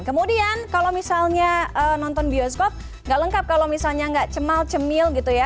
kemudian kalau misalnya nonton bioskop nggak lengkap kalau misalnya nggak cemal cemil gitu ya